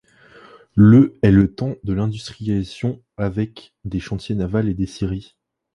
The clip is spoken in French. Le est le temps de l’industrialisation avec des chantiers navals et des scieries.